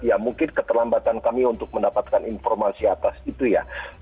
ya mungkin keterlambatan kami untuk mendapatkan informasi atas itu ya